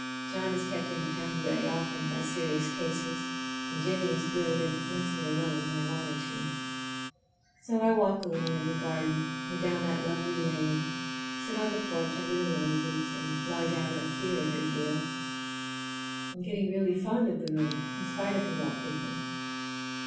John is kept in town very often by serious cases, and Jennie is good and lets me alone when I want her to. So I walk a little in the garden or down that lovely lane, sit on the porch under the roses, and lie down up here a good deal. I'm getting really fond of the room in spite of the wallpaper.